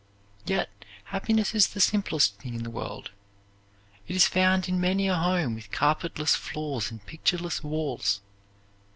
Yet happiness is the simplest thing in the world. It is found in many a home with carpetless floors and pictureless walls.